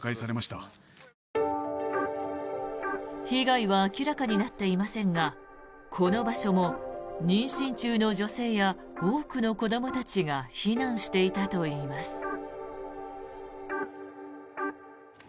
被害は明らかになっていませんがこの場所も妊娠中の女性や多くの子どもたちが避難していたといいます。